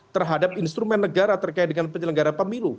terhadap instrumen negara terkait dengan penyelenggara pemilu